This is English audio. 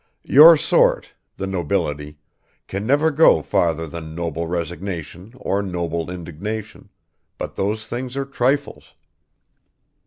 Your sort, the nobility, can never go farther than noble resignation or noble indignation, but those things are trifles.